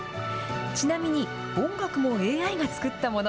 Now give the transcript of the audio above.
ちなみに、音楽もＡＩが作ったもの。